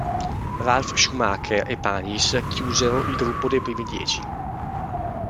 Ralf Schumacher e Panis chiusero il gruppo dei primi dieci.